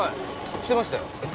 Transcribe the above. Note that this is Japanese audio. してましたよ。